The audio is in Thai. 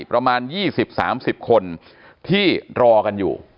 ประมาณ๒๐๓๐คนที่รอกันอยู่